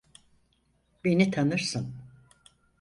Beni tanırsın.